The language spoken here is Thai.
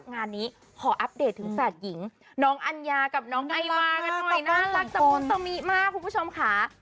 งานนี้ขออัปเดตถึงแฝดหญิงน้องอัญญากับน้องไอวากันหน่อยน่ารักกับมุสมิมากคุณผู้ชมค่ะ